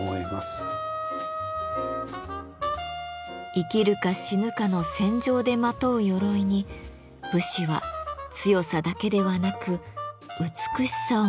生きるか死ぬかの戦場でまとう鎧に武士は強さだけではなく美しさを求めました。